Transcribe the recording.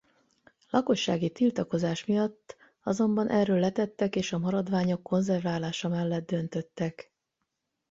Lakossági tiltakozás miatt azonban erről letettek és a maradványok konzerválása mellett döntöttek.